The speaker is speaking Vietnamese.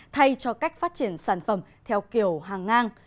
thay cho cách phát triển sản phẩm theo kiểu hàng ngang